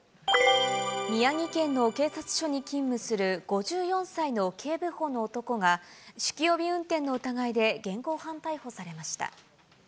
宮城県の警察署に勤務する５４歳の警部補の男が、酒気帯び運転の疑いで現行犯逮捕されました。